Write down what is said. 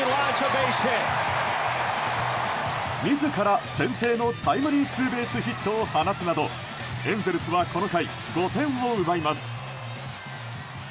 自ら、先制のタイムリーツーベースヒットを放つなどエンゼルスは、この回５点を奪います。